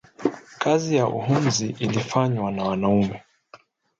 Kazi ya uhunzi ilifanywa na wanaume